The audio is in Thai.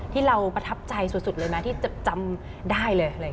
ที่เราประทับใจสุดเลยนะที่จะจำได้เลย